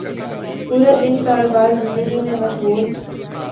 پورا دن کاروبار زندگی میں مشغول